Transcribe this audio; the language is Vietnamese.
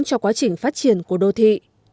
cho quá trình phát triển của đô thị